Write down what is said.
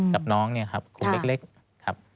กับน้องเนี่ยครับกลุ่มเล็กครับ